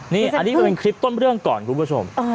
นี่นี่คลิปต้นเรื่องก่อนคุณผู้ชม